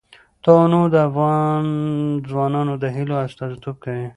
تنوع د افغان ځوانانو د هیلو استازیتوب کوي.